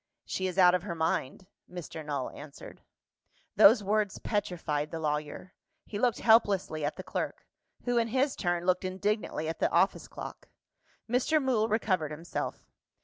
"She is out of her mind," Mr. Null answered. Those words petrified the lawyer: he looked helplessly at the clerk who, in his turn, looked indignantly at the office clock. Mr. Mool recovered himself.